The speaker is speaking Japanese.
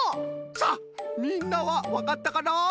さあみんなはわかったかな？